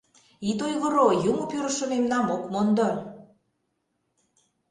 Ит ойгыро, юмо-пӱрышӧ мемнам ок мондо.